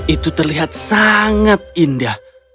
itu terlihat sangat indah